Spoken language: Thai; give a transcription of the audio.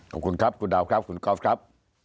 ขอบคุณครับคุณดาวครับคุณก๊อฟครับ